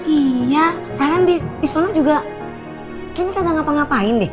iya kalian di solo juga kayaknya kadang ngapa ngapain deh